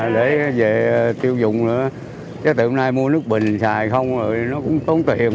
để về tiêu dụng nữa chứ từ hôm nay mua nước bình xài không thì nó cũng tốn tiền